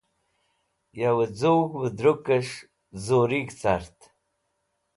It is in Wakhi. yova z̃ug̃h wẽdrũkẽs̃h zurug̃h cart.